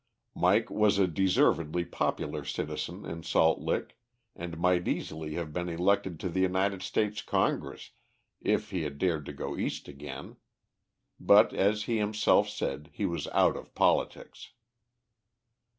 Mike was a deservedly popular citizen in Salt Lick, and might easily have been elected to the United States Congress, if he had dared to go east again. But, as he himself said, he was out of politics.